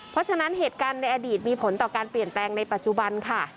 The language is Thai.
เพราะฉะนั้นเหตุการณ์ในอดีตมีผลต่อการเปลี่ยนแปลงในปัจจุบันค่ะ